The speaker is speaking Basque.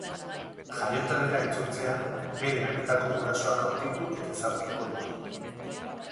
Jaioterrira itzultzean, bere benetako gurasoak aurkitu eta ezagutuko ditu.